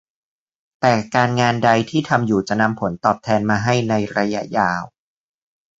แต่การงานใดที่ทำอยู่จะนำผลตอบแทนมาให้ในระยะยาว